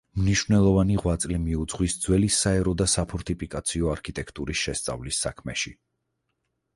მნიშვნელოვანი ღვაწლი მიუძღვის ძველი საერო და საფორტიფიკაციო არქიტექტურის შესწავლის საქმეში.